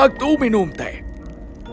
aku tidak suka minum teh sendiri